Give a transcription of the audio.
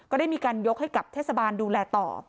ได้มีการยกให้กับเทศบาลดูแลต่อ